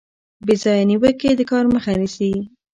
بې ځایه نیوکې د کار مخه نیسي.